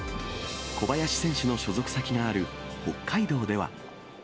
小林選手の所属先がある北海道では。